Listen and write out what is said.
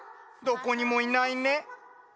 どこにもいないね。